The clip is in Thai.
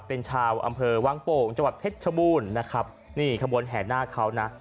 เป็นชาวอำเภอวังโป่งจังหวัดเพชรชบูรณ์นะครับนี่ขบวนแห่หน้าเขานะ